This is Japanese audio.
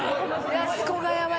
やす子がヤバい。